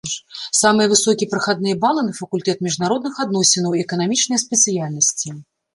Самыя высокія прахадныя балы на факультэт міжнародных адносінаў і эканамічныя спецыяльнасці.